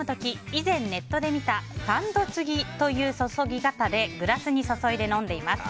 以前ネットで見た３度注ぎという注ぎ方でグラスに注いで飲んでいます。